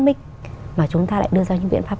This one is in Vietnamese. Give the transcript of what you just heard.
mịch mà chúng ta lại đưa ra những biện pháp